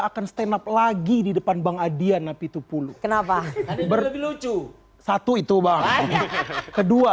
akan stand up lagi di depan bang adian napi tu puluh kenapa berdua lucu satu itu banget kedua